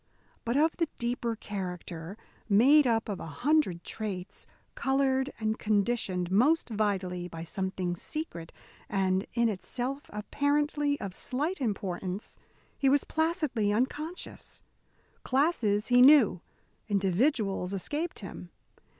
But of the deeper character, made up of a hundred traits, coloured and conditioned most vitally by something secret and in itself apparently of slight importance, he was placidly unconscious. Classes he knew. Individuals escaped him.